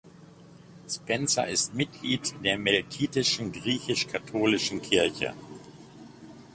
Spencer ist Mitglied der Melkitischen Griechisch-katholischen Kirche.